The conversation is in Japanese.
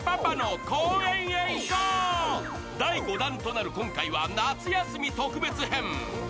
第５弾となる今回は夏休み特別編。